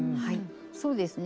そうですね